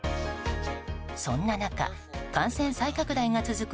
そんな中、感染再拡大が続く